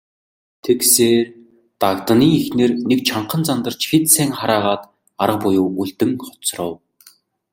Тэгсээр, Дагданы эхнэр нэг чангахан зандарч хэд сайн хараагаад арга буюу үлдэн хоцров.